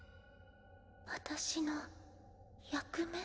私の役目？